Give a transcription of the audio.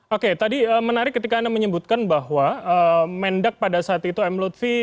oke tadi menarik ketika anda menyebutkan bahwa mendak pada saat itu m lutfi